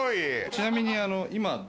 ちなみに。